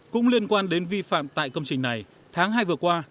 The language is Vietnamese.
cũng liên quan đến vi phạm tại công trình này tháng hai vừa qua